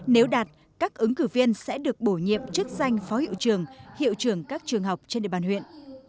nếu đạt các ứng cử viên sẽ được bổ nhiệm chức danh phó hiệu trường hiệu trưởng các trường học trên địa bàn huyện